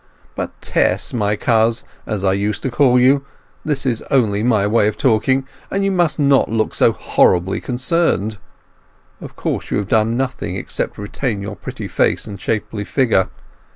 But Tess, my coz, as I used to call you, this is only my way of talking, and you must not look so horribly concerned. Of course you have done nothing except retain your pretty face and shapely figure.